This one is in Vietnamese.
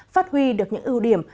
phát huy được những ưu điểm